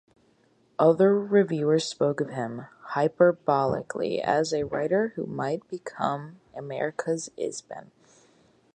Other reviewers spoke of him, hyperbolically, as a writer who might become America's Ibsen.